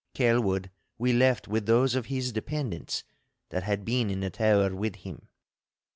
Kelwood we left with those of his dependents that had been in the tower with him.